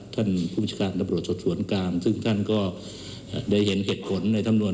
ท่านพปชสวนกลางซึ่งท่านก็ได้เห็นเหตุผลในทำนวน